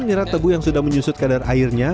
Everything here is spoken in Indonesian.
menyerat tebu yang sudah menyusut kadar airnya